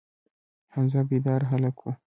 حمزه بیداره هلک و.